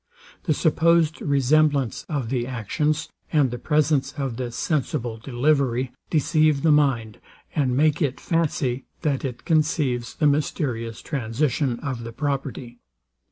The supposed resemblance of the actions, and the presence of this sensible delivery, deceive the mind, and make it fancy, that it conceives the mysterious transition of the property.